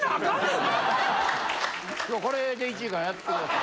これで１時間やってください。